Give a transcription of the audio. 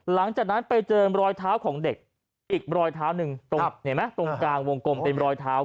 หลังจากนั้นไปเจอรอยเท้าของเด็กอีกรอยเท้าหนึ่งตรงเห็นไหมตรงกลางวงกลมเป็นรอยเท้า